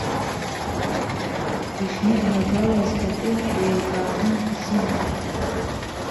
Ишиднагалаз атәы еилкааны исымам.